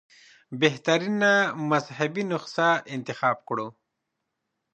بهترینه مذهبي نسخه انتخاب کړو.